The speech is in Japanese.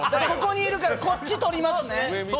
ここにいるから、こっち取りますね。